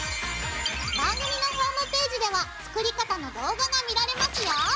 番組のホームページでは作り方の動画が見られますよ。